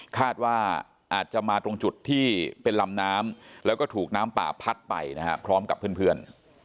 คาดว่าอาจจะมาตรงจุดที่เป็นลำน้ำแล้วก็ถูกน้ำป่าพัดไปนะฮะพร้อมกับเพื่อน